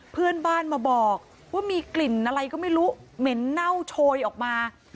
เพื่อนบ้านมาบอกว่ามีกลิ่นอะไรก็ไม่รู้เหม็นเน่าโชยออกมา